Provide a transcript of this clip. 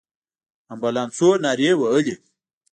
امبولانسونو نارې وهلې.